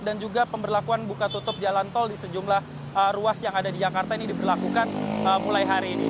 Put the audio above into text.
juga pemberlakuan buka tutup jalan tol di sejumlah ruas yang ada di jakarta ini diberlakukan mulai hari ini